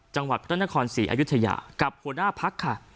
จังหวัดพระนครศรีอยุธยากับหัวหน้าพักค่ะ